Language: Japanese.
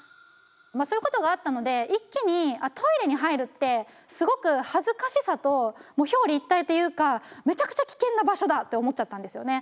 まあそういうことがあったので一気にトイレに入るってすごく恥ずかしさと表裏一体というかめちゃくちゃ危険な場所だって思っちゃったんですよね。